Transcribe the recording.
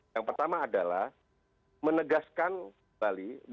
yang pertama adalah menegaskan kembali